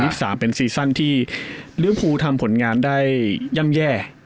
ซีซั่น๒๐๒๒๒๐๒๓เป็นซีซั่นที่ลิ้วภูทำผลงานได้ย่ำแย่